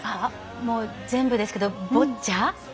もう全部ですけどボッチャ。